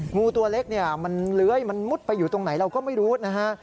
งูตัวเล็กเนี่ยมันเลื้อยมันมุดไปอยู่ตรงไหนเราก็ไม่รู้นะฮะ